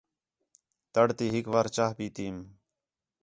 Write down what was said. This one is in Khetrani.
تَڑ تی ہِک وار چاہ پی تیئم